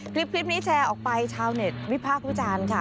คลิปนี้แชร์ออกไปชาวเน็ตวิพากษ์วิจารณ์ค่ะ